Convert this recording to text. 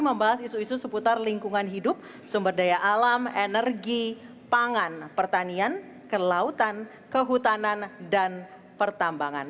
membahas isu isu seputar lingkungan hidup sumber daya alam energi pangan pertanian kelautan kehutanan dan pertambangan